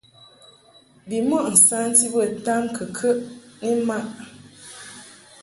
Bimɔʼ nsanti bə tamkɨkəʼ ni mmaʼ.